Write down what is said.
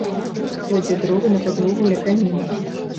Кладзе дровы на падлогу ля каміна.